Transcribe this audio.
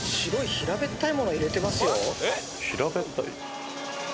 平べったい？